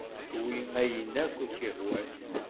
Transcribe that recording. Awi ayen ay ak-yehwan.